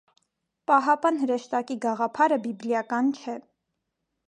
Պահապան հրեշտակի գաղափարը բիբլիական չէ։